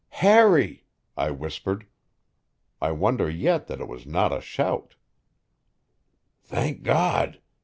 "Harry!" I whispered. I wonder yet that it was not a shout. "Thank God!"